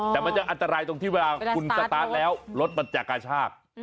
แต่มันจะอันตรายตรงที่เวลาคุณสตาร์ทแล้วรถมันจะกระชาก